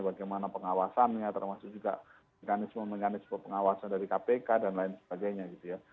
bagaimana pengawasannya termasuk juga mekanisme mekanisme pengawasan dari kpk dan lain sebagainya gitu ya